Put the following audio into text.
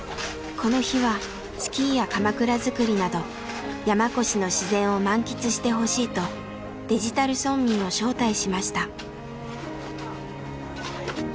この日はスキーやかまくら作りなど山古志の自然を満喫してほしいとデジタル村民を招待しました。